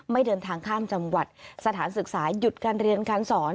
ไม่เดินทางข้ามจังหวัดสถานศึกษาหยุดการเรียนการสอน